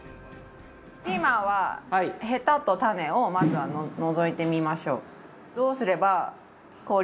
ピーマンはヘタと種をまずは除いてみましょう。